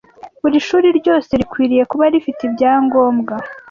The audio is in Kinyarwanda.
buri shuri ryose rikwiriye kuba rifite ibyangombwa